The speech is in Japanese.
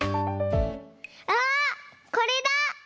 あっこれだ！